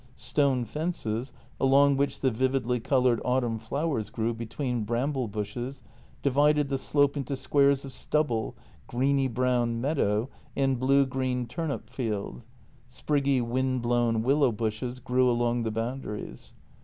Stone fences, along which the vividly coloured autumn flowers grew between bramble bushes, divided the slope into squares of stubble, greeny brown meadow, and blue green turnip field; spriggy wind blown willow bushes grew along the bound aries.